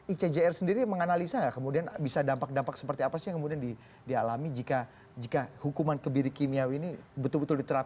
icjr sendiri menganalisa nggak kemudian bisa dampak dampak seperti apa sih yang kemudian dialami jika hukuman kebiri kimiawi ini betul betul diterapkan